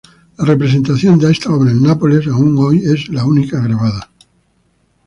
La representación de esta obra en Nápoles, aun hoy, es la única grabada.